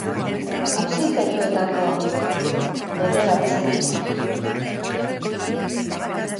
Auzipetuetako bederatzik bi urte emango dituzte laster behin-behineko espetxealdian.